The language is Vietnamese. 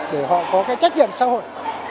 để họ có cái trách nhiệm xã hội